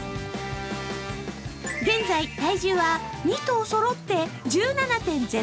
現在、体重は２頭そろって１７．０５ｋｇ。